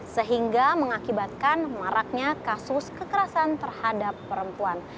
sehingga mengakibatkan maraknya kasus kekerasan terhadap perempuan